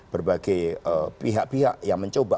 berbagai pihak pihak yang mencoba